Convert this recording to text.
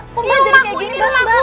kumpul jadi kayak gini mbak